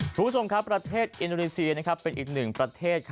ชูสมครับประเทศอินดูลีซีเป็นอีก๑ประเทศ